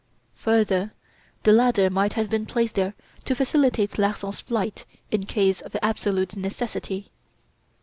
Further, the ladder might have been placed there to facilitate Larsan's flight in case of absolute necessity.